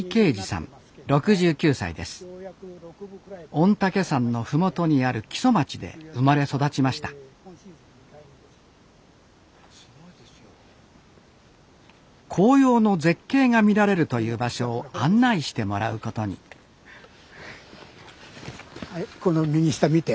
御嶽山の麓にある木曽町で生まれ育ちました紅葉の絶景が見られるという場所を案内してもらうことにはいこの右下見て。